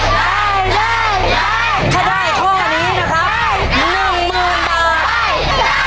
ได้ถ้าได้ข้อนี้นะครับ๑๐๐๐บาท